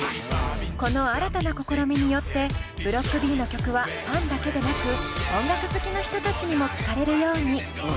この新たな試みによってＢｌｏｃｋＢの曲はファンだけでなく音楽好きの人たちにも聴かれるように。